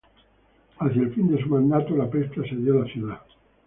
Hacia el fin de su mandato, la peste asedió la ciudad.